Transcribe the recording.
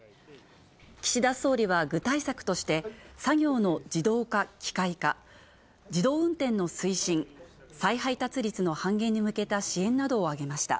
岸田総理は具体策として、作業の自動化・機械化、自動運転の推進、再配達率の半減に向けた支援などを挙げました。